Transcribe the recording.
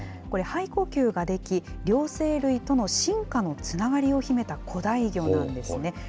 これ、肺呼吸ができ、両生類との進化のつながりを秘めた古代魚なんですね。